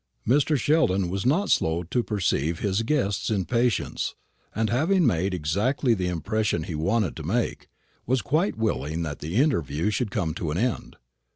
Mr. Sheldon was not slow to perceive his guest's impatience, and having made exactly the impression he wanted to make, was quite willing that the interview should come to an end.